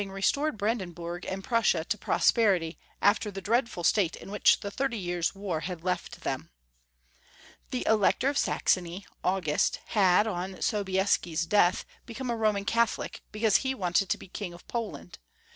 re stored Brandenburg and Prussia to prosperity after the dreadful state in which the Thirty Years' War had left them. The Elector of Saxony, August, had, on So bieski's death, become a Roman Catholic, because he wanted to be King of Poland.